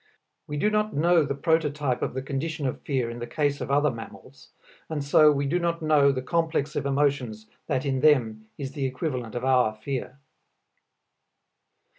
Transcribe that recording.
We do not know the prototype of the condition of fear in the case of other mammals, and so we do not know the complex of emotions that in them is the equivalent of our fear.